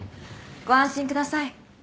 ご安心ください。